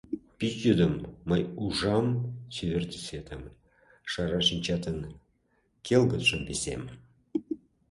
Пич йӱдым мый ужам чевер тӱсетым, Шара шинчатын келгытшым висем.